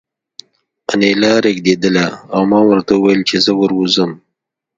انیلا رېږېدله او ما ورته وویل چې زه ور ووځم